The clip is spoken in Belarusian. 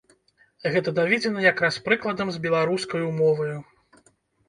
Гэта даведзена якраз прыкладам з беларускаю моваю.